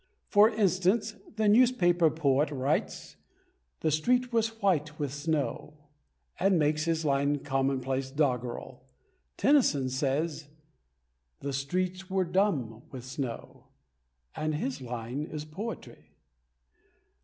For instance, the newspaper poet writes: "The street was white with snow," and makes his line commonplace doggerel. Tennyson says: "The streets were dumb with snow," and his line is poetry.